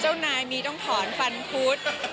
เจ้านายมีต้องถอนฟันพุธ